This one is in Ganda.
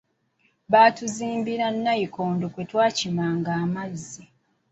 Baatuzimbira nnayikondo kwe twakimanga amazzi.